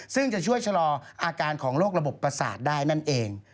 ซึ่งจะช่วยชะลออาการของโรคระบบประสาทได้นั่นเอง